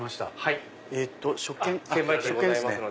食券ですね。